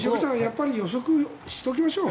やっぱり予測しておきましょう。